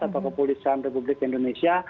atau kepulisan republik indonesia